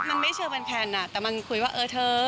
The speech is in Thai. มันไม่เชื่อแฟนแต่มันคุยว่าเออเธอ